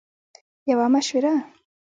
- یوه مشوره 💡